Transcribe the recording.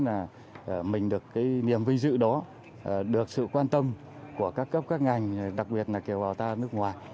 là mình được cái niềm vinh dự đó được sự quan tâm của các cấp các ngành đặc biệt là kiều bào ta nước ngoài